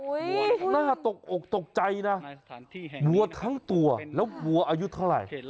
น่าตกอกตกใจนะวัวทั้งตัวแล้ววัวอายุเท่าไหร่